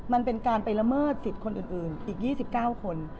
มันเป็นการไปละเมิดสิทธิ์คนอื่นอีก๒๙คน